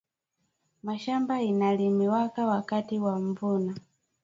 Mashamba ina rimiwaka wakati ya mvula